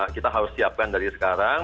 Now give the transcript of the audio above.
kita harus siapkan dari sekarang